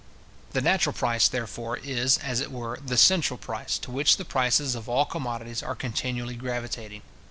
The natural price, therefore, is, as it were, the central price, to which the prices of all commodities are continually gravitating.